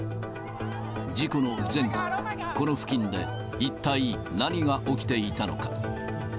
事故の前後、この付近で、一体何が起きていたのか。